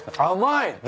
甘い。